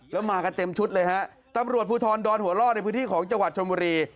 แล้วมากันเต็มชุดเลยฮะตำรวจภูทรดอนหัวล่อในพื้นที่ของจังหวัดชมบุรี